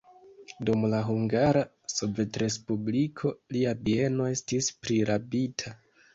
Dum la Hungara Sovetrespubliko lia bieno estis prirabita.